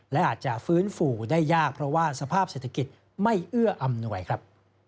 และอาจจะฟื้นฟูได้ยากเพราะว่าสภาพเศรษฐกิจไม่เอื้ออำนวยครับ